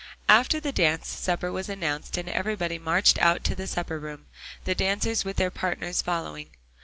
After the dance, supper was announced, and everybody marched out to the supper room; the dancers with their partners following.